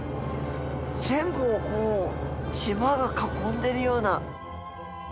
全部をこう島が囲んでるような。